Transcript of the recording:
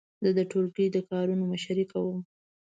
زه د ټولګي د کارونو مشري کوم.